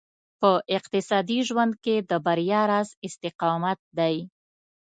په اقتصادي ژوند کې د بريا راز استقامت دی.